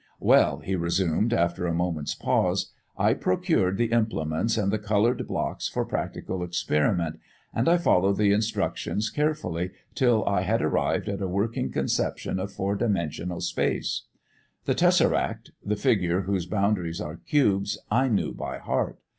"Well," he resumed, after a moment's pause, "I procured the implements and the coloured blocks for practical experiment, and I followed the instructions carefully till I had arrived at a working conception of four dimensional space. The tessaract, the figure whose boundaries are cubes, I knew by heart.